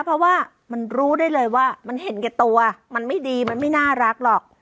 เพราะว่ามันรู้ได้เลยว่ามันเห็นแก่ตัวมันไม่ดีมันไม่น่ารักหรอก